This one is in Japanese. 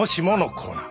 コーナー。